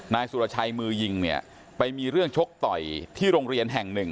นายสุรชัยมือยิงเนี่ยไปมีเรื่องชกต่อยที่โรงเรียนแห่งหนึ่ง